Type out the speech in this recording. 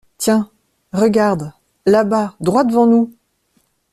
Tiens, regarde, là-bas, droit devant nous!